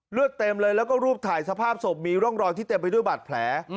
เต็มเลยแล้วก็รูปถ่ายสภาพศพมีร่องรอยที่เต็มไปด้วยบาดแผล